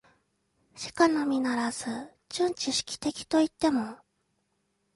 しかのみならず、純知識的といっても、